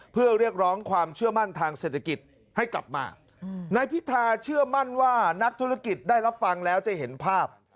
เพื่อเรียกร้องความเชื่อมั่นทางเศรษฐกิจให้กลับมานายพิธาเชื่อมั่นว่านักธุรกิจได้รับฟังแล้วจะเห็นภาพ